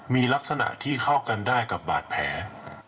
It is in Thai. มีลักษณะที่เข้ากันได้กับบาดแผล